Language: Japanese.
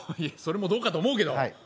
それもどうかと思うけど。